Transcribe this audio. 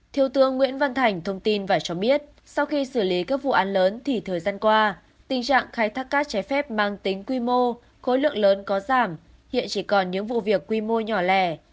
thiếu tướng nguyễn văn thành thông tin và cho biết sau khi xử lý các vụ án lớn thì thời gian qua tình trạng khai thác cát trái phép mang tính quy mô khối lượng lớn có giảm hiện chỉ còn những vụ việc quy mô nhỏ lẻ